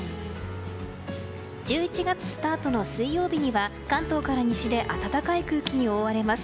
１１月スタートの水曜日には関東から西で暖かい空気に覆われます。